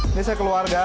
ini saya keluarga